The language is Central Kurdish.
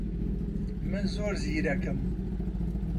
من زۆر زیرەکم.